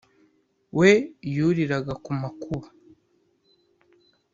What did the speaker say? we yuririraga ku makuba